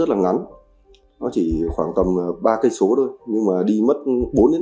nó rất là ngắn nó chỉ khoảng tầm ba km thôi nhưng mà đi mất bốn đến năm tiếng